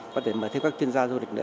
có thể mời thêm các chuyên gia du lịch nữa